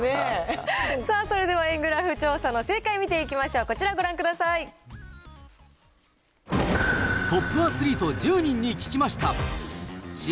さあ、それでは円グラフ調査の正解を見ていきましょう、こちらご覧くだトップアスリート１０人に聞きました。